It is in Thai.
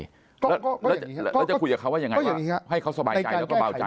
แล้วจะคุยกับเขาว่ายังไงให้เขาสบายใจแล้วก็เบาใจ